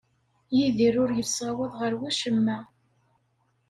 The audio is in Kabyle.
Yidir ur yessawaḍ ɣer wacemma.